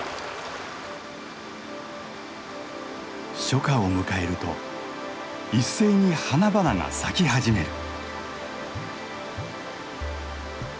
初夏を迎えると一斉に花々が咲き始める。